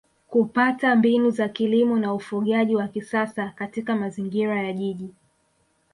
kupata mbinu za kilimo na ufugaji wa kisasa katika mazingira ya Jiji